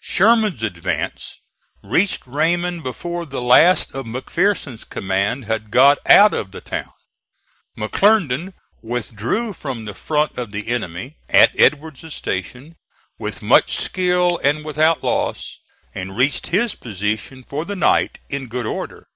Sherman's advance reached Raymond before the last of McPherson's command had got out of the town. McClernand withdrew from the front of the enemy, at Edward's station, with much skill and without loss, and reached his position for the night in good order.